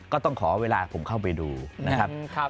ก็ต้องขอเวลาผมเข้าไปดูนะครับ